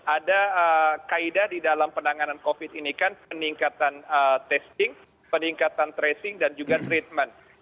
ada kaedah di dalam penanganan covid ini kan peningkatan testing peningkatan tracing dan juga treatment